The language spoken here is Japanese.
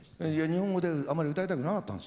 日本語であんまり歌いたくなかったんですか？